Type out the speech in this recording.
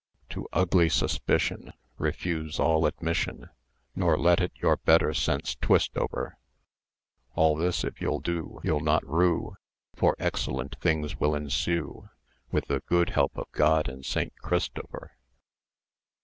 To ugly suspicion Refuse all admission, Nor let it your better sense twist over. All this if you do You'll not rue, For excellent things will ensue, With the good help of God and St. Christopher.